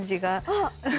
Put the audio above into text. あっ！